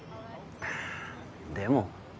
でも。